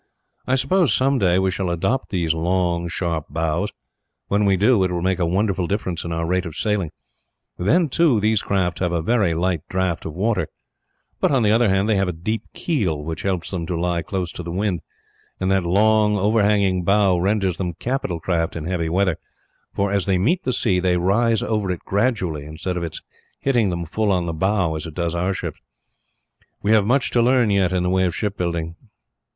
I suppose, some day, we shall adopt these long sharp bows; when we do, it will make a wonderful difference in our rate of sailing. Then, too, these craft have a very light draft of water but, on the other hand, they have a deep keel, which helps them to lie close to the wind; and that long, overhanging bow renders them capital craft in heavy weather for, as they meet the sea, they rise over it gradually; instead of its hitting them full on the bow, as it does our ships. We have much to learn, yet, in the way of ship building."